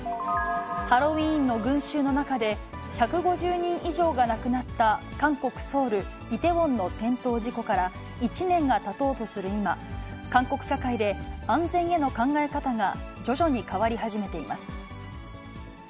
ハロウィーンの群衆の中で、１５０人以上が亡くなった韓国・ソウル、イテウォンの転倒事故から１年がたとうとする今、韓国社会で安全への考え方が徐々に変わり始めています。